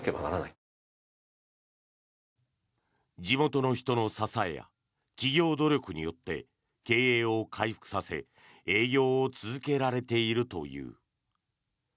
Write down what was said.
地元の人の支えや企業努力によって経営を回復させ営業を続けられているという。